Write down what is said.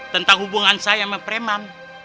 tentang hubungan saya sama preman